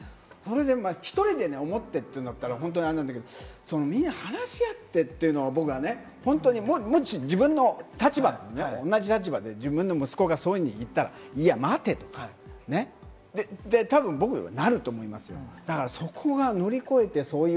１人で思ってるというんだったらあれだけど、みんな話し合ってというのは、僕は本当に、もし自分の立場で同じ立場で自分の息子がそういうふうに言ったら、いや待てとか、僕は多分なると思いますよ。